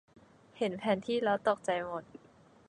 เห็นแผนที่แล้วตกใจหมด